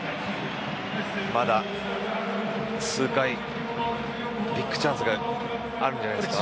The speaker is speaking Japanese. まだ数回ビッグチャンスがあるんじゃないですか。